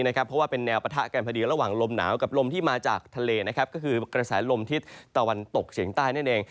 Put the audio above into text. เพราะว่าเป็นแนวปะทะกันพอดีระหว่างลมหนาวกับลมที่มาจากทะเลก็คือกระแสลมทิศตะวันตกเฉียงใต้นั่นเอง